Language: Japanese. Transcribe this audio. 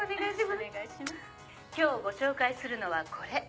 今日ご紹介するのはこれ。